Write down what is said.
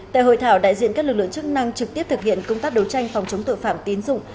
tại hội thảo đại diện các lực lượng chức năng trực tiếp thực hiện công tác đấu tranh phòng chống tội phạm tín dụng